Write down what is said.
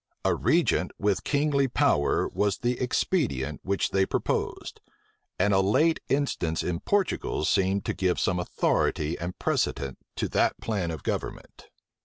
A regent with kingly power was the expedient which they proposed; and a late instance in Portugal seemed to give some authority and precedent to that plan of government.